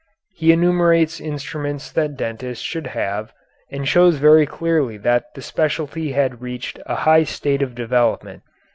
He enumerates instruments that dentists should have and shows very clearly that the specialty had reached a high state of development.